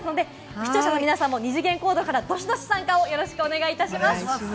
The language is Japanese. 視聴者の皆さんも二次元コードからどしどし参加をお願いします。